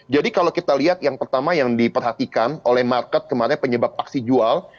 jadi kalau kita lihat yang pertama yang diperhatikan oleh market kemarin penyebab aksi jual